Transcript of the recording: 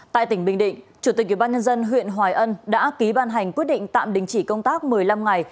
tại tỉnh bình định chủ tịch ubnd huyện hoài ân đã ký ban hành quyết định tạm đình chỉ công tác một mươi năm ngày